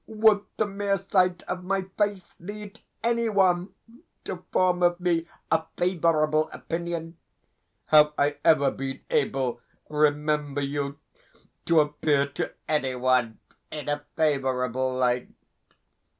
Would the mere sight of my face lead any one to form of me a favourable opinion? Have I ever been able, remember you, to appear to anyone in a favourable light?